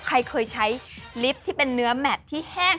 ใครเคยใช้ลิฟต์ที่เป็นเนื้อแมทที่แห้ง